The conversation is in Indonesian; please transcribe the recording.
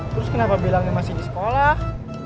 terus kenapa bilangnya masih di sekolah